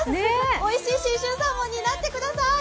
おいしい信州サーモンになってください。